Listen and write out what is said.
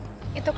tidak tidak tidak